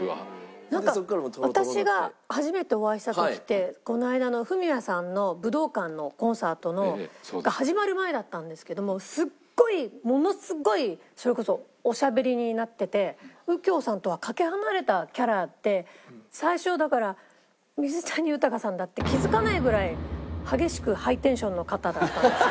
なんか私が初めてお会いした時ってこの間のフミヤさんの武道館のコンサートの始まる前だったんですけどもすっごいものすごいそれこそおしゃべりになってて右京さんとはかけ離れたキャラで最初はだから水谷豊さんだって気づかないぐらい激しくハイテンションの方だったんですよ。